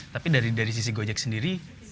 tapi dari sisi gojek sendiri